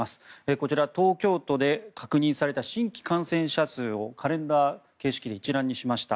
こちら、東京都で確認された新規感染者数をカレンダー形式で一覧にしました。